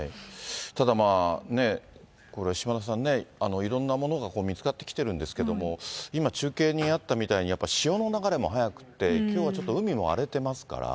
ただまあ、島田さんね、いろんなものが見つかってきてるんですけれども、今、中継にあったみたいに、潮の流れも速くって、きょうはちょっと海も荒れてますから。